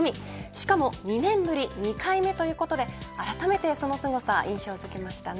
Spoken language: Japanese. しかも２年ぶり２回目ということであらためてそのすごさ、印象づけましたね。